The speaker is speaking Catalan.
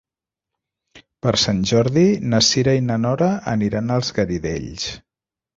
Per Sant Jordi na Cira i na Nora aniran als Garidells.